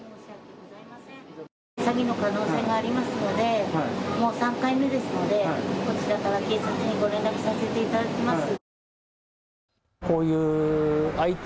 詐欺の可能性がありますのでもう３回目ですのでこちらから警察にご連絡させていただきます。